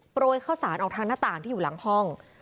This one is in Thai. โรยข้าวสารออกทางหน้าต่างที่อยู่หลังห้อง